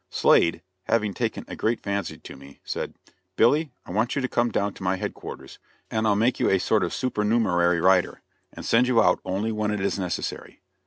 Slade, having taken a great fancy to me, said: "Billy, I want you to come down to my headquarters, and I'll make you a sort of supernumerary rider, and send you out only when it is necessary."